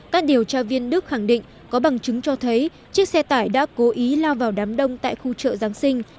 các điều tra viên đức khẳng định có bằng chứng cho thấy chiếc xe tải đã cố ý lao vào đám đông tại khu chợ giáng sinh